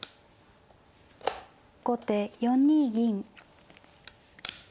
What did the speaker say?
後手４二銀。